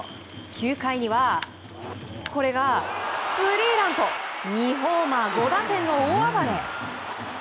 ９回にはこれがスリーランと２ホーマー５打点の大暴れ。